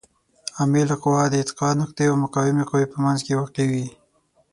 عامله قوه د اتکا نقطې او مقاومې قوې په منځ کې واقع وي.